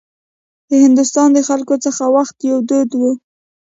د هندوستان د خلکو هغه وخت یو دود و.